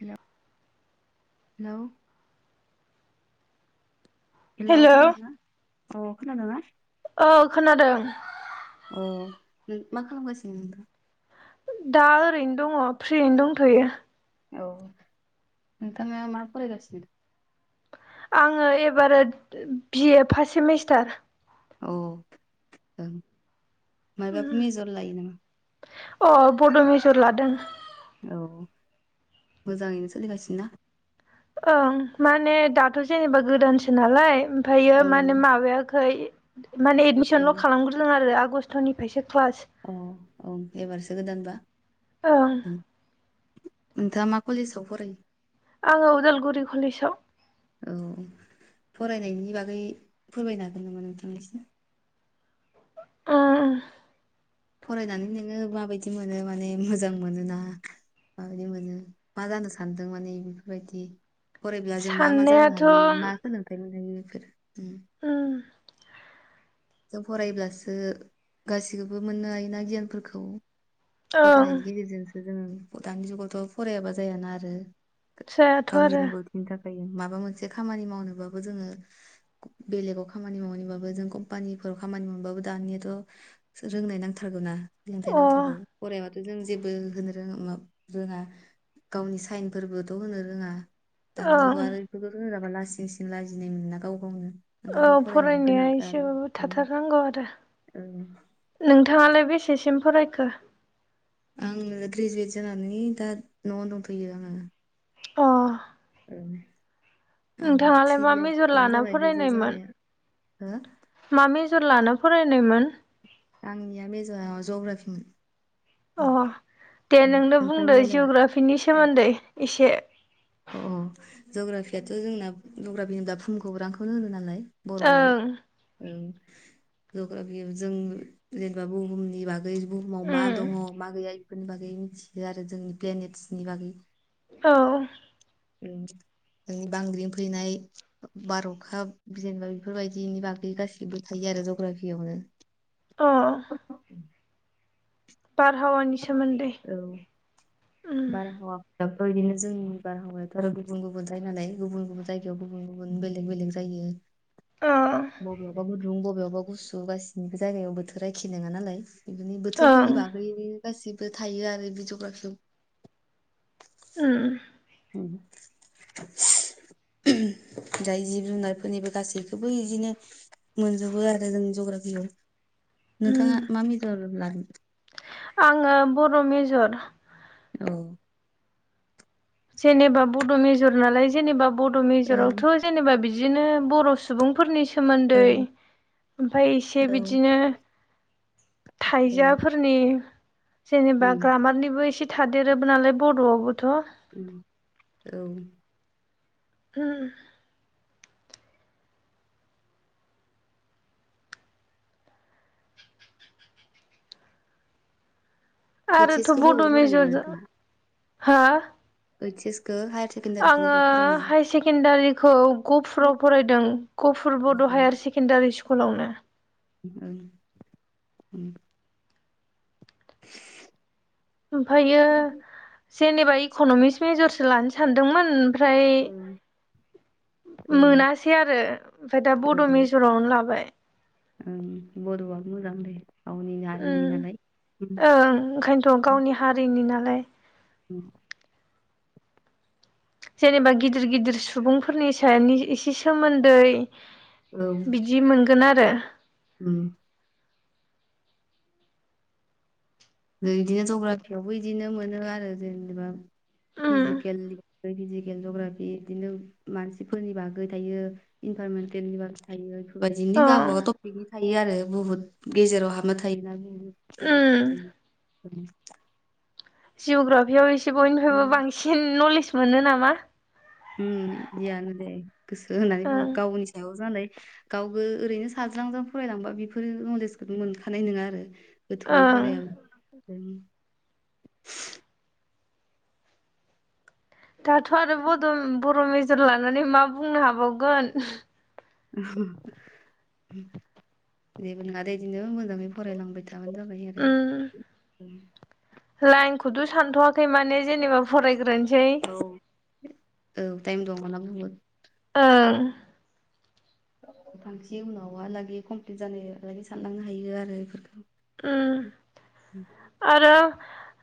हेल' hello hello खोनादोंङा अ खोनादोंङा औ खोनादों अ मा खालामगासिनो नोंथां दा ओरैनो दङ फ्रियैनो दंथ'यो औ नोंथाङा मा फरायगासिनो आङो एबार बिए फार्स्ट सेमिस्टार औ ओ मायबफोर मेजर लायो नामा अ बड' मेजर लादों औ मोजाङैनो सोलिगासिनो ना ओं माने दाथ' जेनेबा गोदानसो नालाय ओमफ्रायायो माने ओं माबायाखै माने ओं एदमिसनल' खालामग्रोदों आरो आगस्टनिफ्रायसो क्लास औ औ एबारसो गोदानबा ओं नोंथाङा मा कलेजाव फरायो आङो उदालगुरि कलेजाव औ फरायनायनि बागै फोरमायनो हागोन नामा नोंथांनिसिम ओम फरायनानै नोङो माबायदि मोनो माने मोजां मोनोना माबायदि मोनो मा जानो सानदों माने बेफोरबायदि फरायब्लाब्ला जों मा मा जानो साननायाथ' हायो मा सोलोंथाइ मोन हायो बेफोर ओम जों फरायब्लासो गाससिखौबो मोननो हायोना गियानफोरखौ ओं फरायनायनि गेजेरजोंसो जोङो दानि जुगावथ' फरायाबा जायाना आरो जायाथ' गावनि आरो रों बिनि थाखाय माबा मोनसे खामानि मावनोबाबो जोङो बेलेगाव खामानि मावनानैबाबो जों ख्ानिफोराव खामानि मोनबाबो दानियाथ' रोंनाय नांथारगौनाा सोलोंथाइ अ नांथारगौ फरायबाथ' जों जेबो होनो रोङा रोङा गावनि साइनफोरबोथ' होनो रोङा दानि जुगाव ओं आरो बेफोरखौ राबा लासिं सिं लाजिनाय मोना गाव गावनो औ ओंखायनोथ' फरायनाया गोनांथार आरो एसेबाबो उम थाथारनांगौ आरो ओं नोंथाङालाय बेसेसिम फरायखो? आङो ग्रेजुवेट जानानै दा न'आवनो दंथैयो आङो। अ उम आं नोंथाङालाय थ्रि मा मेजर इयार्सानो लाना जाबाय ग्रेजुवेट फरायनायमोन जानाया हो मा मेजर लाना फरायनायमोन? आंनिया मेज'राव जग्राफिमोन।। अ दे ओं नोंनो बुंदो नोंथांनियालाय मा जिअग्राफिनि सोमोन्दै एसे अ जग्राफियाथ' जोंना जग्राफिनिबा फुमखौगरांखौनो होगो नालाय बर'आव ओं जग्राफि जों जेनेबा बुहुमनि बागै बुहुमाव मा उम दङ' मा गैया इफोरनि बागै मिथियो आरो जोंनि प्लेनेटसनि बागै औ। उम बांग्रिं फैनाय बार अखा जेनेबा बेफोर बायदिनि बागै गासिबो थायो आरो जग्राफियावनो। अ बारहावानि सोमोन्दै उम। दाथ' बिदिनो जोंनि बारहावायाथ' गुबुन गुबुन जायो नालाय गुबुन गुबुन जायगायाव गुबुन गुबुन बेलेग बेलेग जायो। औ बबेयावबा गुदुं बबेयावबा गुसु गासिनिबो जायगायाव बोथोरा एखि नङा नालाय। बिदिनो ओं बोथोरफोरनि बागै गासिबो थायो आरो बे जग्राफियाव। ओम। हम [inaudible] [inaudible] दायो जिब जुनारफोरनिबो गासिबखोबो इदिनो। मोनजोबो आरो जों जग्राफियाव। नोंथाङा उम मा मेजर लादों? आङो बर' मेजर। औ। जेनेबा बड' मेजर नालाय जेनेबा बड' ओं मेजरावथ' जेनेबा बिदिनो बर' सुबुंफोरनि सोमोन्दै ओं ओमफाय एसे औ बिदिनो। ओं थायजाफोरनि जेनेबा उम ग्रामारनिबो एसे। थादेरोबो नालाय बरड'आवबोथ'। उम औ। हम। ओइस आरोथ' एस खौ बड' बबेयाव फरायनायमोन मेजरजों नोंथाङा हा? ओइस एस खो हाया आङो हाय सेकेणडारिखौ ओं गफुराव फरायदों गफुर बड' हायार सेक सेकेण्डारि स्कुलावनो। ओं ओ। ओमफ्रायो जेनेबा इक'न'मिक्स मेजरसो लानो सानदोंमोन ओमफ्राय। औ औ ओं मोनासै आरो ओमफ्राय दा बड' मेजरावनो लाबाय। ओं बड' आबो मोजां दे। गावनि हारिनि उम नालाय उम ओं ओंखायनोथ' गावनि हारिनि नालाय उम जेनेबा गिदिर गिदिर सुबुंफोरनि सानि एसे सोमोन्दै। औ बिदि मोनगोन आरो। उम। बिदिनो जग्राफियावबो बिदिनो मोनो आरो जेनेबा उम फिजिकेल फिजिकेल जग्राफि इदिनो मानसिफोरनि बागै थायो। इनभार'नमेनटेलनिबो थायो। बेबायदिनो अ गावबागाव थटफिकै थायो आरो बुहुत गेजेराव हाबना थायोना [unintelligible] उम [unintelligible] जिअ'ग्राफियाव एसे बयनिफ्रायबो बांसिन नलेज मोनो नामा? उम बिदियानो दे गोसो होनानै हो ओं गावनि सायाव जानाय गावबो ओरैनो साज्रांज्रां फरायलांबा बेफोरो नलेजखौनो मोनखानाय नङा आरो ओं [unintelligible] दाथ' आरो बदन बर' मेजर लानानै मा बुंनो हाबावगोन। जेबो नङादे बिदिनो मोजाङै फरायलांबाय था। जाबाय आरो उम औ लाइनखौथ' सानथ'वाखै माने जेनेबा फरायग्रोनोसै। औ औ टाइम दं माला बुंगोन। ओं। गावबागाव फांसे उनावहालागै कमप्लिट जानो लागै सानलांनो हायो आरो बेफोरखौ उम आरो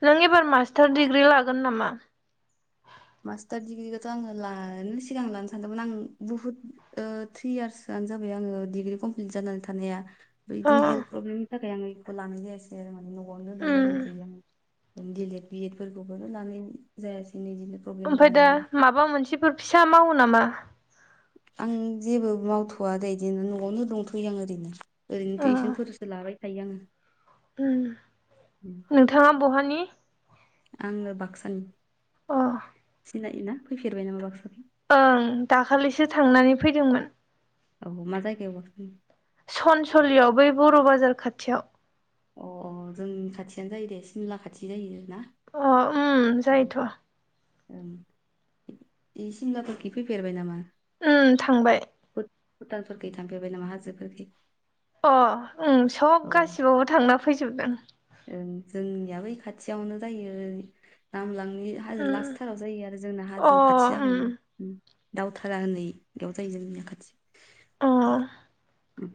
नों एबार मास्टार डिग्रि लागोन नामा? मास्टार दिडिग्रिखौथ' आङो लानो सिगां लानो सानदोंमोन आं बुहुद ओ थ्रि यार्सआनो जाबाय आङो डिग्रि कमप्लिट जानानै थानाया अ बिदिनो हेल्थ प्रब्लेमनि थाखाय आं इखौ लानाय जायासै आरो माने न'आवनो दंबाय उम दंथ'यो आङो डिएलेद बिएद फोरखौबोनो लानाय जायासै नै इदिनो ओमफाय दा माबा मोनसेफोर फिसा मावो नामा? आं जेबो मावथ'वा दै बिदिनो न'आवनो दंथ'यो आं ओरैनो ओरैनो अ टिउसनफोरसो लाबाय थायो आङो उम नोंथाङा बहानि? आङो बाक्सानि। अ' सिनायोना फैफेरबाय नामा बाक्साखै ओं दाखालिसो थांनानै फैदोंमोन। औ मा जायगायावबा फैनाय सनसलियाव बै बर' बाजार खाथियाव। अ अ जोंनि खाथियानो जायो दे सिमला खाथि जायो ना? अ उम ओं जायोथ' ओं बे सिमलाफोरखि फैफेरबाय नामा? उम थांबाय। भु-भुटानफोरखै थांफेरबाय नामा हाजोफोरखै? अ उम सब औ गासिबावबो थांना फैजोबदों। ओं जोंनिया बै खाथियावनो जायो नामलांनि हाजो उम लास्टथाराव जायो आरो जोंना अ हाजो खाथि उम जाहैयो। दावथारा होनै बेयाव जायो जोंनिया खाथि अ उम!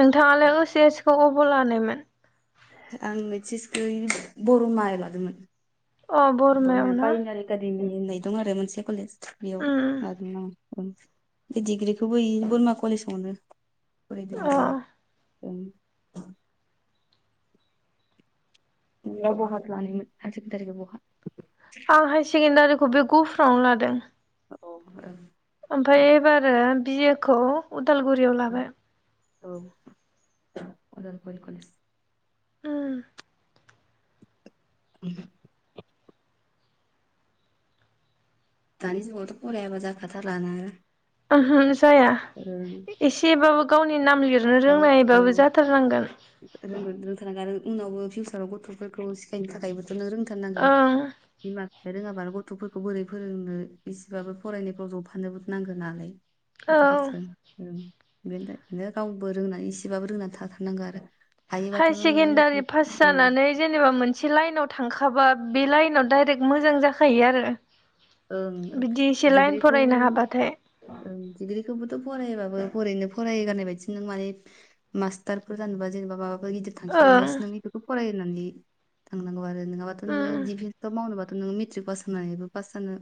नोंथाङालाय ओस एसखौ अबाव लानायमोन? आं ओस एसखै बर'मायाव लादोंमोन अ बरमायाव बर'मा ना बायनारि एकादेमि होननाय दं आरो मोनसे कलेज बेयाव उम लादोंमोन आङो। ओं बे डिग्रिखौबो ई बोरमा कलेजावनो फरायदों अ आरोना ओं नोंलाय बहाथो लानायमोन हाइसेखेन्दारिखौ बहा? आं हाइ सेकेण्डारिखौ बे गुफुरावनो लादों। औ ओं ओमफ्राय एबारो बिए खौ उदालगुरियाव ओं लाबाय। औ अदालगुरि कलेस उम उम! दानि जुगावथ' फरायाबा जाखाथारला ना उहु जाया ओ एसेबाबो गावनि नाम लिरनो रोंनायबाबो जाथारनांगोन ओ रोंगोन रोंथारनांगो आरो उनावबो फिउचाराव गथ'फोरखौ सिखायनो थाखायबो खौनो रोंथारनांगौ ओं बिमा बिफाया रोङाबानो गथ'फोरखौ बोरै फोरोंनो इसेबाबो फरायनायफ्राव जबफानोबो नांगोन नालाय औ गथ'फोरजों बेनो गावबो रोंनानै इसेबाबो रोंनानै थाथारनांगौ आरो हाय हायोबाथ' नोङो सेकेण्डारि मेट्रिक पास औ जानानै जेनेबा मोनसे लाइनाव थांखाबा बे लाइनाव डाइरेक मोजां जाखायो आरो ओं बिदि इसे लाइन डिग्रिखौ फरायनो हाबाथाय ओं डिग्रिखौबोथ' फरायबाबो बोरैनो फरायगारनाय बायदि नों माने मास्टारफोर जानबा जेनेबा माबाफोर गिदिर थांखि ओं दंबासो नों बेखौ फराय होननानै थांनांगौ आरो नोङाबाथ' नोङो ओं दिफेन्सआव मावनोबाथ' नों मेट्रिक पास होननानैबो पास जोङो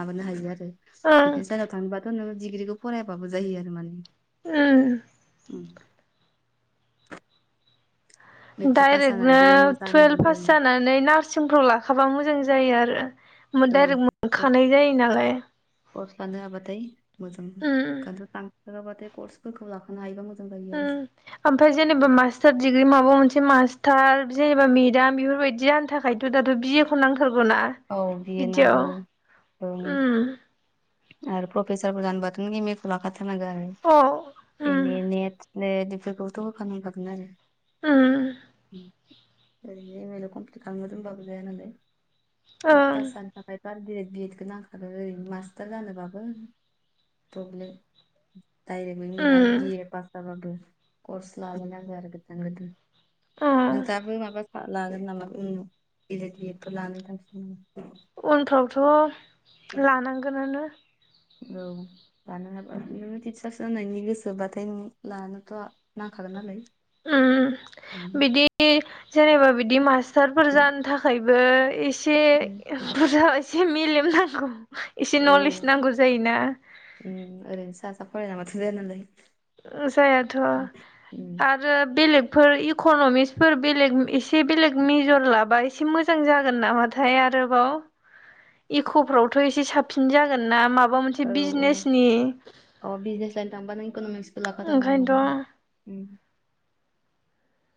माबानो हायो आरो ओं डिफेन्स लाइनाव थांनोबाथ' नोङो डिग्रिखौ फरायाबाबो जायो आरो माने ओ उम मेट्रिक पास डाइरेक्टनो जानानैबो जों जानो टुवेल्भ पास हायो जानो नै नार्सिंफोर लाखाबा मोजां जायो आरो मोन ओं डायरेक्ट औ कर्स मोनखानाय जायो नालाय कर्स लानो हाबाथाय मोजां उम [unintelligible] फोरखौ लाफानो हायोबा मोजां जायो आरोस ओमफाय जेनेबा मास्टार डिग्रि माबा मोनसे मास्टार जेनेबा मेदाम बेफोरबायदि जानो थाख खायथ' दाथ' बिए खौ नांथारगौ ना औ बिए बिदियाव नांगौ ओं उम आरो प्रफेसार जानोबाथ' एम ए खौ लाखा थारनांगोन आरो अ ओं एम ए नेट स्नेट इफोरखौथ' होखानांखागोन आरो ओं उम ओरैनो एम ए ल' कमप्लिद खालामना दोनबाबो जाया नालाय टेट पास जानो थाखाय बा बिए बिएडखौ नांखागो ओरैनो मास मास्टार जानोबाबो पब्लेम डायरेक्ट मै मोना उम बिए पास जाबाबो कर्स लालायनांगो आरो गोदान गोदान औ नोंथाङाबो माबा फा लागोन नामा उम डि एल इद बिएद फोर लानो थांखि दं नामा? उनफ्रावथ' लानांगोनानो औ लानो हाबा उम टिचार्स जानायनि गोसोबाथाय उम लानोथ' नांखागोन नालाय उम बिदि जेनेबा बिदि मास्टारफोर जानो थाख खायबो एसे बुरजा एसे मेलेम नांगौ। एसे नलेज औ नांगौ जायोना उम ओरैनो सा सा फरायलांबाथ' जाया नालाय ओ जायाथ' उम आर रो बेलेगफोर इखनमिक्सफोर बेलेग एसे बेलेग मेजर लाबाय एसे मोजां जागोन नामाथाय आरोबाव इख'फ्रावथ' एसे साबसिन जागोन ना माबा मोनसे औ बिजनेसनि अ बिजनेस लाइन थांबा नों इक'नमिसखौ लाखाथारनांगोन आरो ओंखायनोथ' उम उम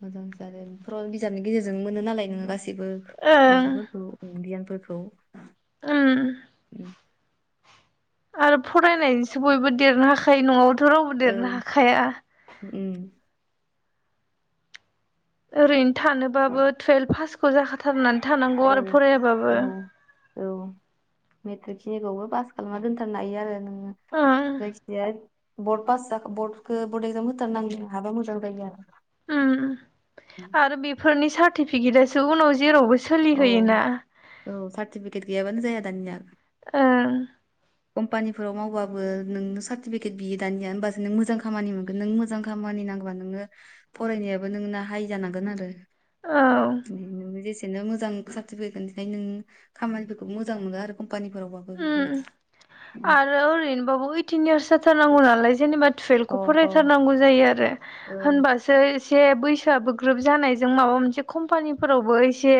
मोजां जादों बेफोराव बिजाबनि गेजेरजों मोनो नालाय नोङो गासि जिबो ओं माबाफोरखौ ओ गियानफोरखौ ओम उम आरो फरायनायसो बयबो देरनो हाखायो न'आबाथ' रावबो देरनो हाखाया। ओ उम ओरैनो थानोबाबो टुयेल्भ फासखौ जाखाथारनानै थानांगौ औ आरो फरायाबाबो औ औ मेट्रिक खिनिखौबो पास खालामना दोनथारनो हायो आरो नों [unintelligible] ओं जायखिजाया बर्ड पास जा खौ बर्डखो बर्ड एक्जाम होथारनांगो हाबा मोजां जायो आरो उम आरो बेफोरनि सार्टिफिकेटासो उनाव जेरावबो औ सोलिहोयोना औ सार्टिफिकेट गैयाबानो जाया दानिया ओ कम्पानिफोराव मावबाबो नोंनो सार्टिफिकेट बियो दानिया होमबासो नों मोजां खामानि मोनगोन नों मोजां जां खामानि नांगबा नोङो फरायनायाबो नोंना हाइ जानांगोन आरो औ बिदिनो मोजां सार्टिफिकेटखायनो नों खामानिफोरखौ मोजां मोनो आरो कम्पानिफोरावबाबो उम बेफोरबायदि अ आरो ओरैनोबाबो ओइटिन इयार्स जाथारनांगौ नालाय जेनेबा तुवेल्भ अ खौ फराय औ सोरनांगौ जायो आरो औ होनबा जै एसे बैसोआबो गोरोब जानायजों माबा मोनसे कम्पानिफोरावबो एसे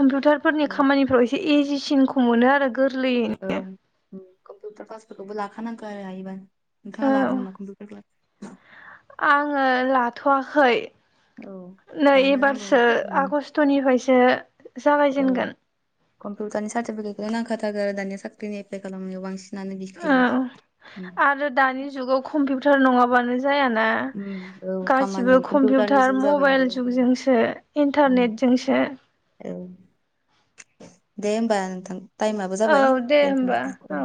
कम्पिउटारफोरनि खामानिफ्राव एसे इजिसिनखौ मोनो आरो गोरलैयै औ उम कम्पिउटार क्लासफोरखौबो लाखानांगौ आरो हायोबा नोंथाङा लादो औ नामा कम्पिउटार क्लास आङो लाथ'वाखै औ नै लानो नांगौ एबारसो आगस्टनिफ्रायसो औ जागायजेनगोन कम्पिउटारनि सार्टिफिकेटखौ नांखाथारगो दानिया साख्रिनि एपलाइ खालामनायाव बांसिन औ आरो दानि जुगाव कम्पिउटार नङाबानो जायाना उम, औ गासिबो खामानियानो कम्पिउटारनि कम्पिउटार जुग जाबाय मबाइल आरो उम, जुगजोंसो इन्टारनेटजोंसो औ दे होमबा नोंथां टाइमआबो औ जाबाय दे होमबा दोनथनोसै औ